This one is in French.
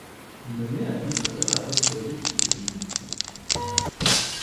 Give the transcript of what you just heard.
Nommé administrateur apostolique de Nîmes.